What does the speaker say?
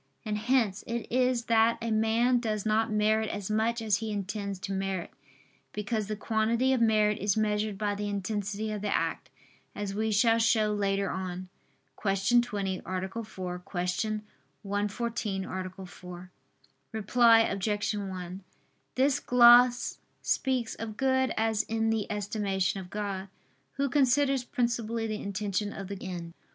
And hence it is that a man does not merit as much as he intends to merit: because the quantity of merit is measured by the intensity of the act, as we shall show later on (Q. 20, A. 4; Q. 114, A. 4). Reply Obj. 1: This gloss speaks of good as in the estimation of God, Who considers principally the intention of the end.